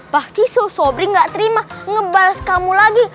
pasti sobri gak terima ngebales kamu lagi